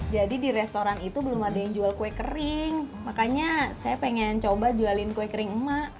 jadi di restoran itu belum ada yang jual kue kering makanya saya pengen coba jualin kue kering emak